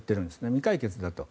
未解決だと。